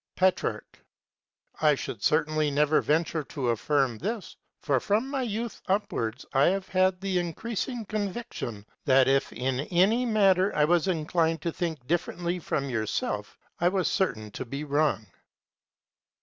Petrarch. I should certainly never venture to affirm this, for from my youth upwards I have had the increasing conviction that if in any matter I was inclined to think differently from yourself I was certain to be wrong.